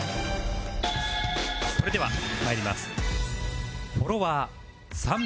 それでは参ります